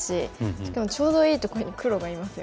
しかもちょうどいいところに黒がいますよね。